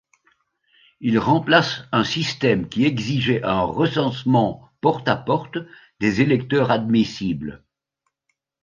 Il remplace un système qui exigeait un recensement porte-à-porte des électeurs admissibles.